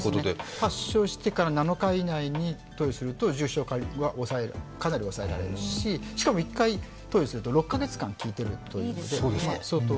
発症してから７日以内に投与すると重症化はかなり抑えられるし、しかも１回投与すると６か月間効いているので相当。